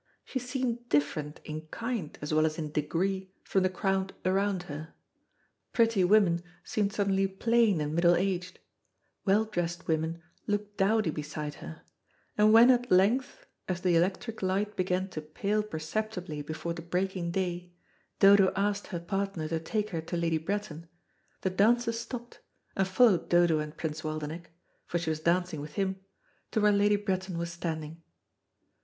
She seemed different in kind, as well as in degree, from the crowd around her. Pretty women seemed suddenly plain and middle aged; well dressed women looked dowdy beside her, and when at length, as the electric light began to pale perceptibly before the breaking day, Dodo asked her partner to take her to Lady Bretton, the dancers stopped, and followed Dodo and Prince Waldenech, for she was dancing with him, to where Lady Bretton was standing.